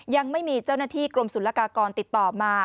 ยังไม่มีเจ้าหน้าที่กรมศุลกากรติดต่อมา